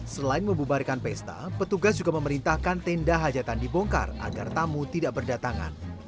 selain membubarkan pesta petugas juga memerintahkan tenda hajatan dibongkar agar tamu tidak berdatangan